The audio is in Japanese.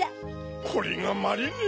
これがマリネ。